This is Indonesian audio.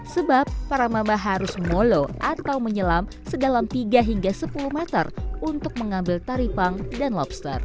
sebab para mama harus molo atau menyelam sedalam tiga hingga sepuluh meter untuk mengambil tari pang dan lobster